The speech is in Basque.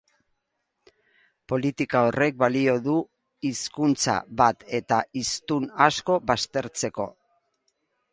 Politika horrek balio du hizkuntza bat eta hiztun asko baztertzeko.